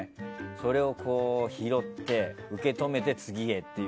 それを拾って受け止めて次へという。